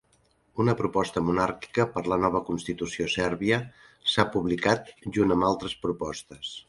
Una proposta monàrquica per a la nova constitució sèrbia s"ha publicat junt amb altres propostes.